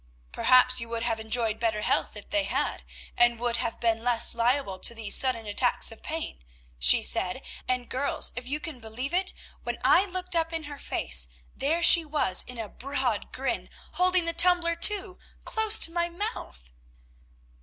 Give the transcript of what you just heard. "'Perhaps you would have enjoyed better health if they had, and would have been less liable to these sudden attacks of pain,' she said; and, girls, if you can believe it, when I looked up in her face, there she was in a broad grin, holding the tumbler, too, close to my mouth.